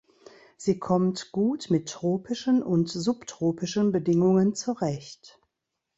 Sie kommt gut mit tropischen und subtropischen Bedingungen zurecht.